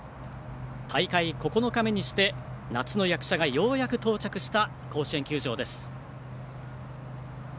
大会９日目にして夏の役者がようやく到着した甲子園球場です。